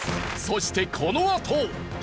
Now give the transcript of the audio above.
そしてこのあと。